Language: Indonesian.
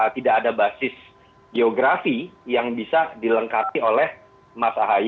tidak ada basis geografi yang bisa dilengkapi oleh mas ahy